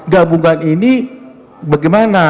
gabungan ini bagaimana